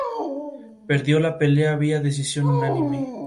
Perdió la pelea vía decisión unánime.